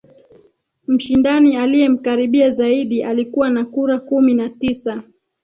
Mshindani aliyemkaribia zaidi alikuwa na kura kumi na tisa